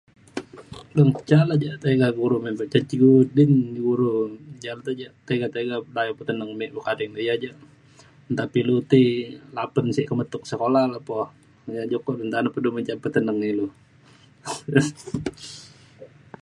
Beng ca le ja tiga murum [unintelligible] nyurum ja te tiga tiga pekayo peteneng me [unintelligible] ia’ ja. Nta pe ilu ti lapen sek kemetuk sekula le po ja ju nta pe du menjam peteneng inu